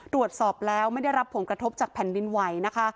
ตรวจสอบแล้วไม่ได้รับผลกระทบจากแผ่นดินไหวนะคะ